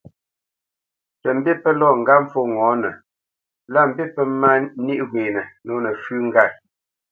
Tə mbî pə́ lɔ ŋgàt pfó ŋɔ̌nə lâ mbî pə́ mà nîʼ wenə nǒ nəfʉ́ ŋgât.